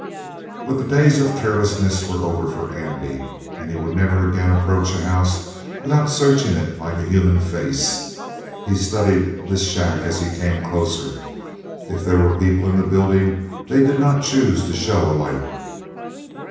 But the days of carelessness were over for Andy, and he would never again approach a house without searching it like a human face. He studied this shack as he came closer. If there were people in the building they did not choose to show a light.